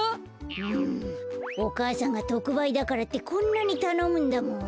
うんお母さんがとくばいだからってこんなにたのむんだもん。